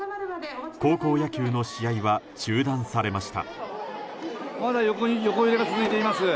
高校野球の試合は中断されました。